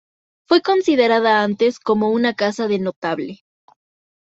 Fue considerada antes como una casa de notable.